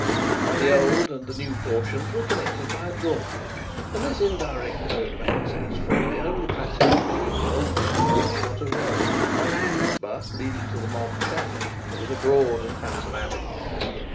The old and the new portions were connected by a drawbridge, and this indirect mode of access formed the only passage between the old building and the outer world; but leading to the modern chateau there was a broad and handsome avenue.